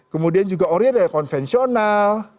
kemudian juga ori adalah konvensional